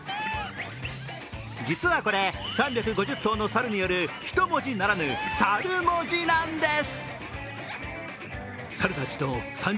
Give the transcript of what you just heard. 実はこれ、３５０頭の猿による人文字ならぬ猿文字なんです。